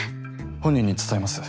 本人に伝えます。